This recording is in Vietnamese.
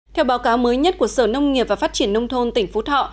theo báo cáo mới nhất của sở nông nghiệp và phát triển nông thôn tỉnh phú thọ